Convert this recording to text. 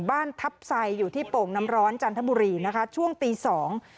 บ้านทัพไซอยู่ที่โป่งน้ำร้อนจันทบุรีนะคะช่วงตีสอง